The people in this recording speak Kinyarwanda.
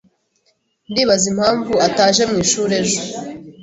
Ndibaza impamvu ataje mwishuri ejo.